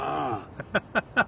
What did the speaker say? ハハハハ。